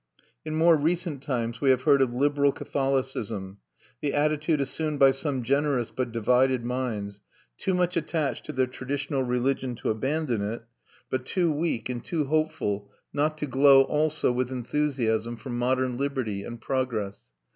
In more recent times we have heard of liberal Catholicism, the attitude assumed by some generous but divided minds, too much attached to their traditional religion to abandon it, but too weak and too hopeful not to glow also with enthusiasm for modern liberty and progress.